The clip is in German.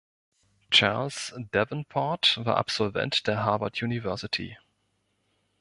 Charles Davenport war Absolvent der Harvard University.